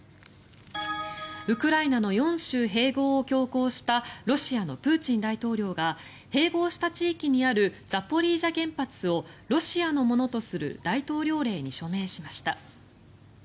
ウクライナの４州併合を強行したロシアのプーチン大統領が併合した地域にあるザポリージャ原発をロシアのものとする大統領令に署名しました。